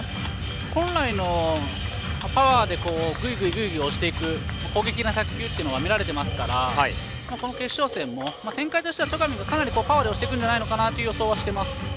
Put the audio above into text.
本来のパワーでグイグイ押していく攻撃的な卓球が見られてますからこの決勝戦も展開としては戸上がかなりパワーで押してくるんじゃないかと予想はしています。